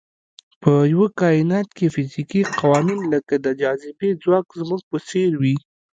په یوه کاینات کې فزیکي قوانین لکه د جاذبې ځواک زموږ په څېر وي.